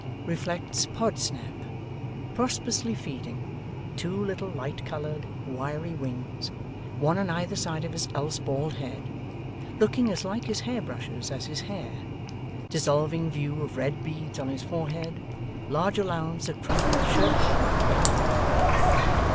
Reflects Podsnap; prosperously feeding, two little light coloured wiry wings, one on either side of his else bald head, looking as like his hairbrushes as his hair, dissolving view of red beads on his forehead, large allowance of crumpled shirt collar up behind.